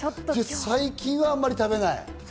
最近はあまり食べない？